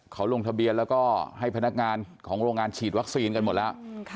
เขาลงทะเบียนแล้วก็ให้พนักงานของโรงงานฉีดวัคซีนกันหมดแล้ว